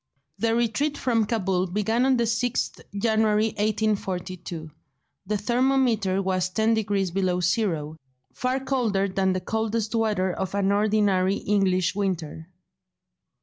The retreat from Cabul began on the 6th January 1842; the thermometer was ten degrees below zero—far colder than the coldest weather of an ordinary English winter.